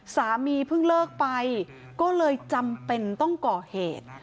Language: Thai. สามีเพิ่งเลิกไปก็เลยจำเป็นต้องก่อเหตุ